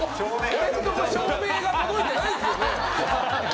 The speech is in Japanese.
俺んとこ照明が届いてないですよね。